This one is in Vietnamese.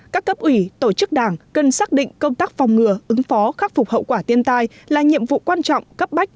các cấp ủy tổ chức đảng cần xác định công tác phòng ngừa ứng phó khắc phục hậu quả tiên tai là nhiệm vụ quan trọng cấp bách